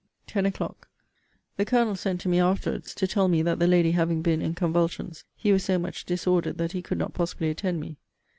TEN O'CLOCK. The Colonel sent to me afterwards, to tell me that the lady having been in convulsions, he was so much disordered that he could not possibly attend me.